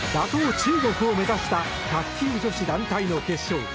中国を目指した卓球女子団体の決勝。